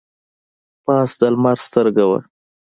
پاس د لمر سترګه وه.